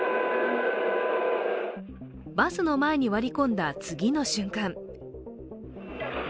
バスの前に割り込んだ次の瞬間